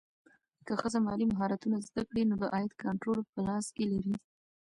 که ښځه مالي مهارتونه زده کړي، نو د عاید کنټرول په لاس کې لري.